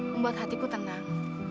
membuat hatiku tenang